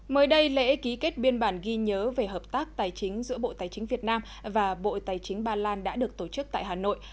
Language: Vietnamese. mới đây lễ ký kết biên bản ghi nhớ về hợp tác tài chính giữa bộ tài chính việt nam và bộ tài chính ba lan đã được tổ chức tại hà nội